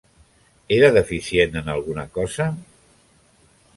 Era deficient en alguna cosa?